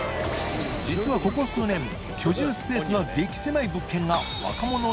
禺造ここ数年居住スペースが激セマい物件が禺圓鮹